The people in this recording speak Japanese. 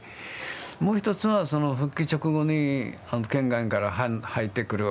もう一つはその復帰直後に県外から入ってくる人たちはね